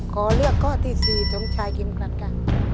ขอเลือกข้อที่๔สมชายเข็มกลัดค่ะ